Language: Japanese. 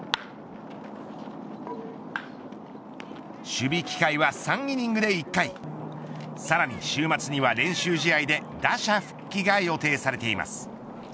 守備機会は３イニングで１回さらに週末には練習試合で打者復帰が予定されています。